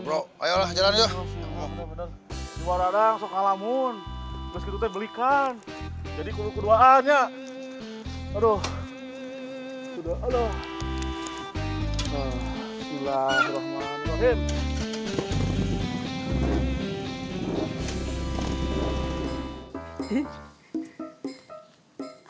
bro ayolah jalan jauh waradang sokalamun meskipun belikan jadi kedua dua aja aduh